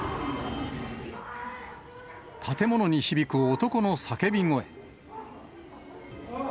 建物に響く男の叫び声。